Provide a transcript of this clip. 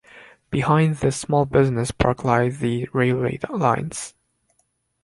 Behind this small business park lie the railway lines.